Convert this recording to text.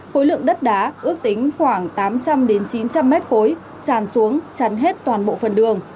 khối lượng đất đá ước tính khoảng tám trăm linh chín trăm linh mét khối tràn xuống chắn hết toàn bộ phần đường